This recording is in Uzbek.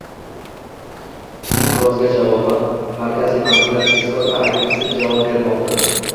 Inqirozga javoban, markaziy banklar tezkor va agressiv javob bermoqda